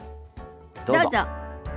どうぞ。